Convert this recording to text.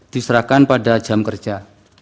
diserahkan pada jam kerja